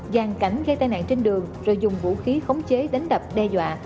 giàn cảnh gây tai nạn trên đường rồi dùng vũ khí khống chế đánh đập đe dọa